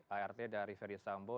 art dari ferry sambo